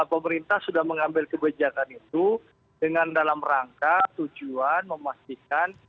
pemerintah sudah mengambil kebijakan itu dengan dalam rangka tujuan memastikan